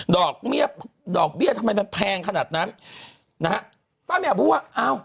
ดอกเบี้ยดอกเบี้ยทำไมมันแพงขนาดนั้นนะฮะป้าแมวพูดว่าอ้าว